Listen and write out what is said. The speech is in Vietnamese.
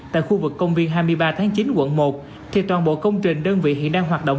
tại khu vực công viên hai mươi ba tháng chín quận một thì toàn bộ công trình đơn vị hiện đang hoạt động